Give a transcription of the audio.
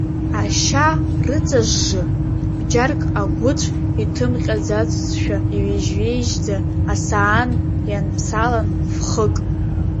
Ашьа рыҵажжы, бџьарк агәыцә иҭымҟьаӡацшәа иҩежь-ҩежьӡа асаан ианԥсалан ф-хык.